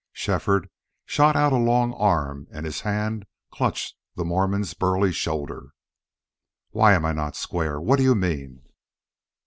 Shefford shot out a long arm and his hand clutched the Mormon's burly shoulder. "Why am I not square? What do you mean?"